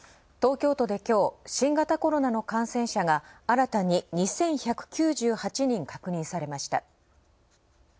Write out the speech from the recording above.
東京都で今日、新型コロナの感染者が新たに２１９８人確認されました。